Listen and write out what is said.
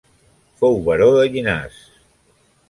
Fou baró de Llinars.